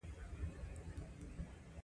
چم او فریب دواړه یوه معنی لري.